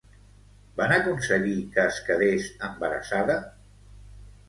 Van aconseguir que es quedés embarassada?